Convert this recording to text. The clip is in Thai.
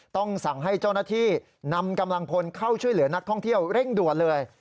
ต้องสั่งให้เจ้าหน้าที่นำกำลังพลเข้าช่วยเหลือนักท่องเที่ยวเร่งด่วนเลย